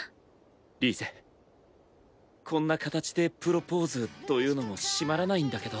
リーゼこんな形でプロポーズというのも締まらないんだけど。